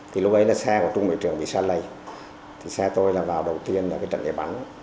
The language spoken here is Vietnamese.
thì lúc ấy là xe của trung đội trưởng bị xa lầy thì xe tôi là vào đầu tiên trận địa bắn